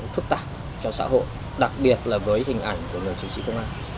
phức tạp cho xã hội đặc biệt là với hình ảnh của người chiến sĩ công an